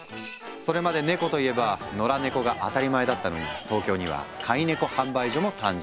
それまでネコといえば野良猫が当たり前だったのに東京には「飼い猫販売所」も誕生。